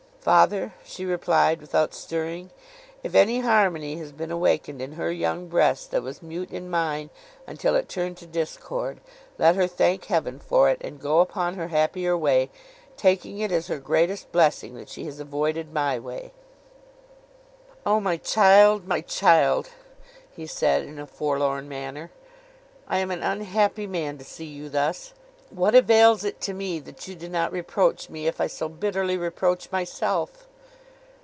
'Father,' she replied, without stirring, 'if any harmony has been awakened in her young breast that was mute in mine until it turned to discord, let her thank Heaven for it, and go upon her happier way, taking it as her greatest blessing that she has avoided my way.' 'O my child, my child!' he said, in a forlorn manner, 'I am an unhappy man to see you thus! What avails it to me that you do not reproach me, if I so bitterly reproach myself!